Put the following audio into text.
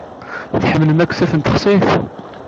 Tḥemmlem askaf n texsayt?